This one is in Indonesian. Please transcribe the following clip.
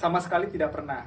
sama sekali tidak pernah